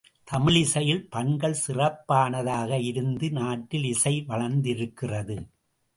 தமிழிசையில் பண்கள் சிறப்பானதாக இருந்து நாட்டில் இசை வளர்ந்திருக்கிறது.